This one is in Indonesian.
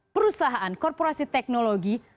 perusahaan korporasi teknologi